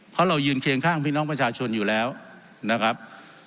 เพราะเรายืนเคียงข้างพี่น้องประชาชนอยู่แล้วนะครับ